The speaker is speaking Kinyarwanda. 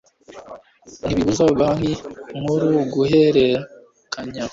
ntibibuza banki nkuru guhererekanya